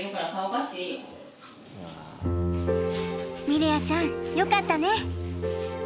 ミレアちゃんよかったね。